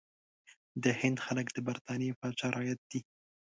د هند خلک د برټانیې پاچا رعیت دي.